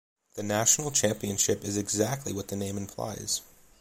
The National Championship is exactly what the name implies.